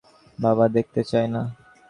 বাবা, দেখতে চাই না।